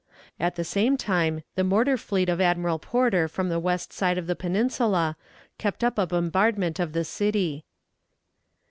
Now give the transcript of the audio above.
At the game time the mortar fleet of Admiral Porter from the west side of the peninsula kept up a bombardment of the city.